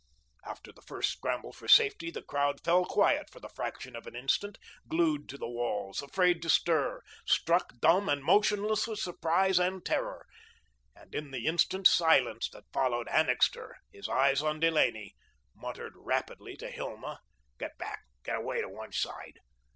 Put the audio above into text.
After the first scramble for safety, the crowd fell quiet for the fraction of an instant, glued to the walls, afraid to stir, struck dumb and motionless with surprise and terror, and in the instant's silence that followed Annixter, his eyes on Delaney, muttered rapidly to Hilma: "Get back, get away to one side.